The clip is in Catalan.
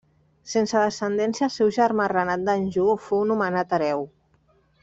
Sense descendència el seu germà Renat d'Anjou fou nomenat hereu.